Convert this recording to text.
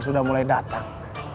sudah mulai datang